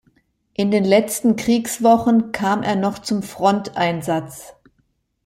In den letzten Kriegswochen kam er noch zum Fronteinsatz.